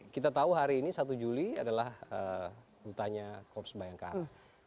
kita tahu hari ini satu juli adalah hutannya korps bayangkara